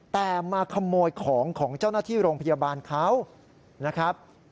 แต่มาขโมยของของเจ้าหน้าที่โรงพยาบาลเขานะครับ